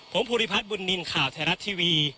ผมภูริพัฒน์บุญนินทร์ข่าวไทยรัฐทีวี